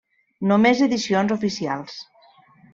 Només edicions oficials.